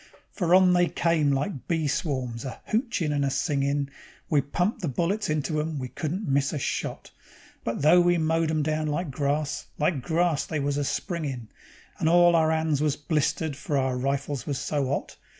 For on they came like bee swarms, a hochin' and a singin'; We pumped the bullets into 'em, we couldn't miss a shot. But though we mowed 'em down like grass, like grass was they a springin', And all our 'ands was blistered, for our rifles was so 'ot.